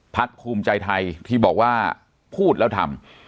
ภูมิใจไทยที่บอกว่าพูดแล้วทำ